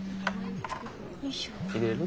入れる？